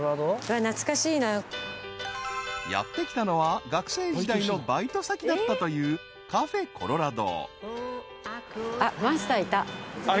［やって来たのは学生時代のバイト先だったというカフェコロラド］